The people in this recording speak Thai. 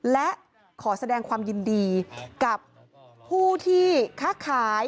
และขอแสดงความยินดีกับผู้ที่ค้าขาย